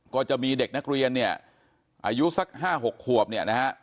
ก็จะมีเด็กนักเรียนเนี่ยอายุสัก๕๖ขวบเนี่ยนะฮะ